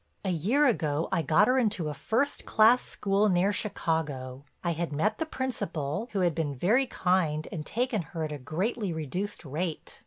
"A year ago I got her into a first class school near Chicago—I had met the principal, who had been very kind and taken her at a greatly reduced rate.